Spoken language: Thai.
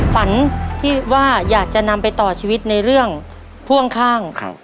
ฝันที่ว่าอยากจะนำไปต่อชีวิตในเรื่องพ่วงข้าง